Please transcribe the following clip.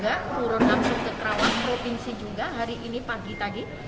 juga btkl juga turun langsung ke karawang provinsi juga hari ini pagi tadi